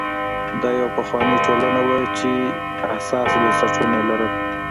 دا یوه پخوانۍ ټولنه وه چې حساس بنسټونه یې لرل.